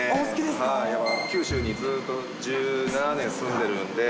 九州にずっと、１７年住んでるので。